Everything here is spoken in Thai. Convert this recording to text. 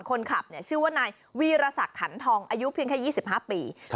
คนขับชื่อว่านายวีรศักดิ์ขันทองอายุเพียงแค่๒๕ปี